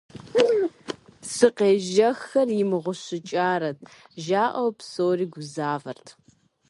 «Псы къежэххэр имыгъущыкӏарэт» жаӏэу псори гузавэрт.